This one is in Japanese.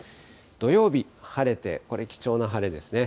土曜日、晴れて、これ、貴重な晴れですね。